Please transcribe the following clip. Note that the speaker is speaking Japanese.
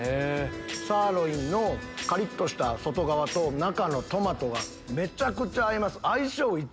サーロインのカリっとした外側と中のトマトがめちゃくちゃ合います。